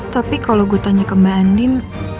tapi kalau gue tanya ke mbak andin